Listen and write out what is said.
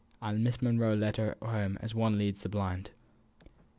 And Miss Monro led her home as one leads the blind.